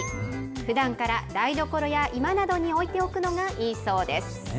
ふだんから台所や居間などに置いておくのがいいそうです。